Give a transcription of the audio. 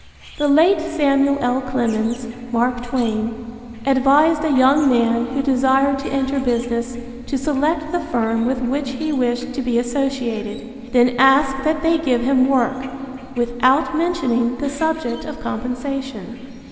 The late Samuel L. Clemens (Mark Twain) advised a young man who desired to enter business to select the firm with which he wished to be associated, then ask that they give him work, without mentioning the subject of compensation.